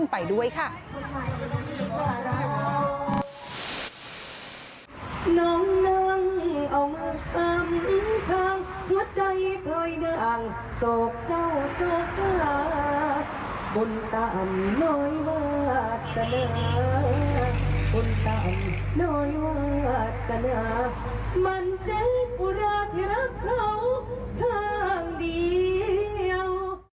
หัวใจปล่อยดังโศกเศร้าสาขาบนต่านน้อยวาสนาบนต่านน้อยวาสนามันเจ๊ปุราธิรักเขาข้างเดียว